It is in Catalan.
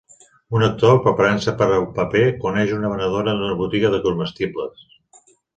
Un actor, preparant-se per a un paper, coneix una venedora d’una botiga de comestibles.